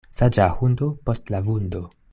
Saĝa hundo post la vundo.